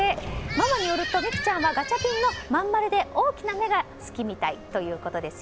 ママによると美玖ちゃんはガチャピンのまん丸で大きな目が好きみたいということです。